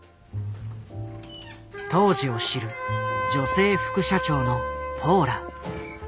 当時を知る女性副社長のポーラ。